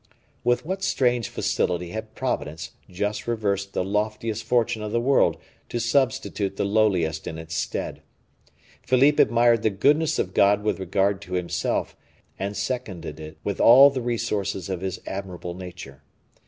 With what strange facility had Providence just reversed the loftiest fortune of the world to substitute the lowliest in its stead! Philippe admired the goodness of God with regard to himself, and seconded it with all the resources of his admirable nature.